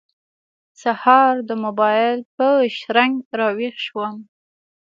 سهار د موبایل په شرنګ راوېښ شوم.